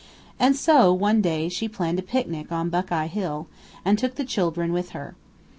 And so, one day, she planned a picnic on Buckeye Hill, and took the children with her.